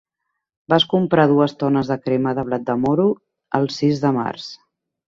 Vas comprar dues tones de crema de blat de moro el sis de març.